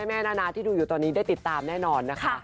นานาที่ดูอยู่ตอนนี้ได้ติดตามแน่นอนนะคะ